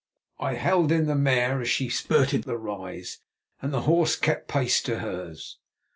I held in the mare as she spurted up the rise, and the horse kept his pace to hers.